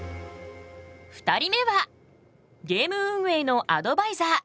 ２人目はゲーム運営のアドバイザー。